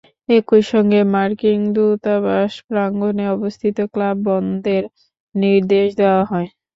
একই সঙ্গে মার্কিন দূতাবাস প্রাঙ্গণে অবস্থিত ক্লাব বন্ধের নির্দেশ দেওয়া হয়।